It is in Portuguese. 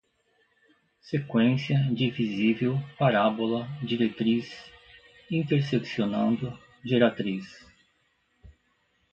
sequência, divisível, parábola, diretriz, interseccionando, geratriz